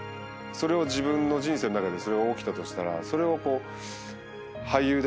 自分の人生の中でそれが起きたとしたらそれをこう俳優で。